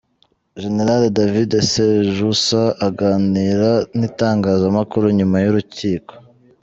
General David Sejusa aganira n’itangazamakuru nyuma y’urukiko.